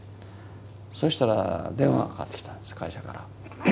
そしたら電話がかかってきたんです会社から。